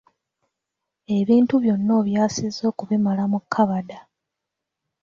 Ebintu byonna obyasizza okubimala mu kkabada.